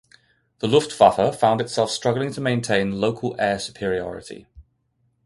The Luftwaffe found itself struggling to maintain local air superiority.